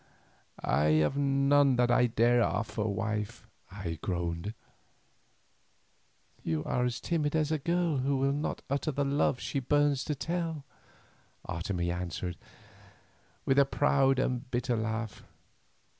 "I have none that I dare offer, wife," I groaned. "You are timid as a girl who will not utter the love she burns to tell," Otomie answered with a proud and bitter laugh.